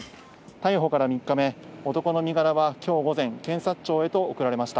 逮捕から３日目、男の身柄はきょう午前、検察庁へと送られました。